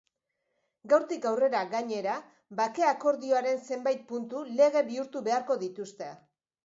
Gaurtik aurrera, gainera, bake akordioaren zenbait puntu lege bihurtu beharko dituzte.